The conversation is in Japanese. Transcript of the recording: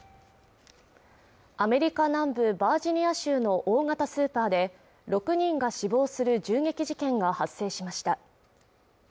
アメリカ南部バージニア州の大型スーパーで６人が死亡する銃撃事件が発生しました